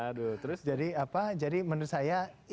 aduh terus jadi apa jadi menurut saya